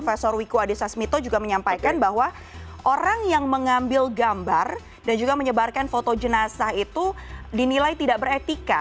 prof wiku adhisa smito juga menyampaikan bahwa orang yang mengambil gambar dan juga menyebarkan foto jenazah itu dinilai tidak beretika